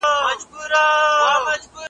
په کتاب کي څه راغلي راته وایه ملاجانه .